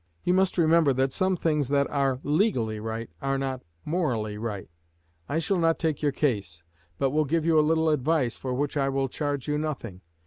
You must remember that some things that are legally right are not morally right. I shall not take your case, but will give you a little advice, for which I will charge you nothing.